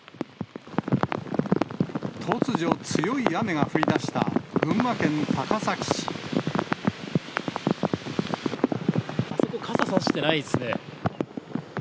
突如、強い雨が降りだした群あそこ、傘差してないですね。